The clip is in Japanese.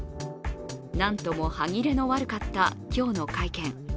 なんとも歯切れの悪かった今日の会見。